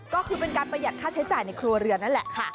ก็คือเป็นการประหยัดค่าใช้จ่ายในครัวเรือนนั่นแหละค่ะ